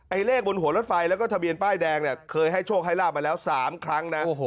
เลขบนหัวรถไฟแล้วก็ทะเบียนป้ายแดงเนี่ยเคยให้โชคให้ลาบมาแล้ว๓ครั้งนะ